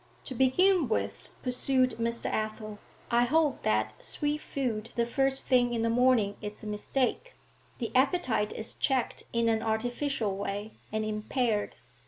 'To begin with,' pursued Mr. Athel, 'I hold that sweet food the first thing in the morning is a mistake; the appetite is checked in an artificial way, and impaired.